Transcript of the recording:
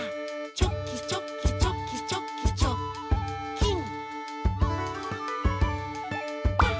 「チョキチョキチョキチョキチョッキン！」